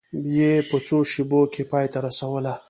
یې په څو شېبو کې پای ته رسوله.